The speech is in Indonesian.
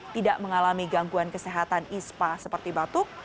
tidak mengalami gangguan kesehatan ispa seperti batuk